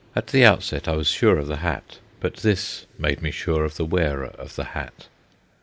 At the outset I was sure of the hat, but this made me sure of the wearer of the hat.